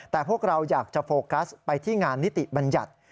แต่พวกเราอยากจะโฟกัสไปที่งานนิติบัญญัติ